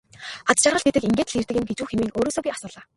Аз жаргал гэдэг ингээд л ирдэг юм гэж үү хэмээн өөрөөсөө би асуулаа.